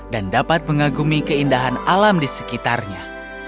dan dapat mengagumi keindahan alam di sekitarnya